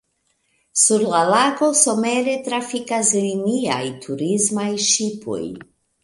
Sur la lago somere trafikas liniaj turismaj ŝipoj.